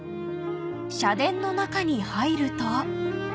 ［社殿の中に入ると］